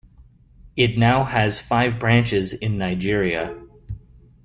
It now has five branches in Nigeria.